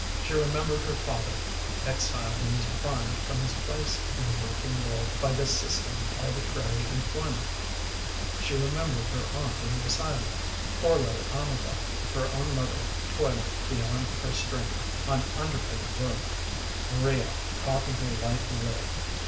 She remembered her father, exiled in his prime from his place in the working world by this system of arbitrary employment; she remembered her aunt in the asylum; poor little Amabel; her own mother toiling beyond her strength on underpaid work; Maria coughing her life away.